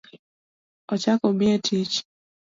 Ochako omiye tich